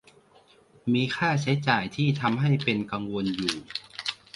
มีค่าใช้จ่ายที่ทำให้เป็นกังวลอยู่